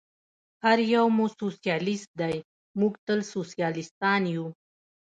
هر یو مو سوسیالیست دی، موږ تل سوسیالیستان و.